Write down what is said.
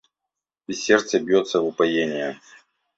И сердце бьется в упоенье